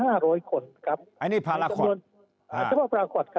อันนี้พลาควัต